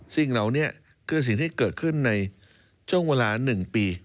ซึ่งเรานี่คือสิ่งที่เกิดขึ้นในช่วงเวลาหนึ่งปี